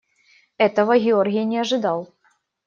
Этого Георгий не ожидал.